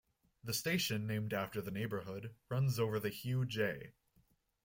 The station named after the neighborhood runs over the Hugh J.